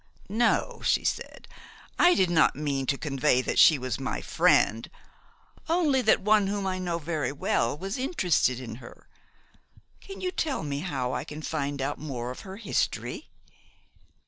"No," she said, "I did not mean to convey that she was my friend; only that one whom I know well was interested in her. Can you tell me how I can find out more of her history?"